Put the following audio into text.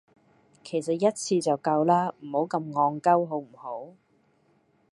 其實一次就夠啦，唔好咁戇鳩好唔好?